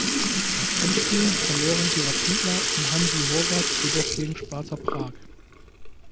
Das Endspiel verloren die Rapidler um Hansi Horvath jedoch gegen Sparta Prag.